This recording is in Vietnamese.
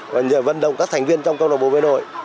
và vận động các thành viên trong câu lạc bộ bơi nội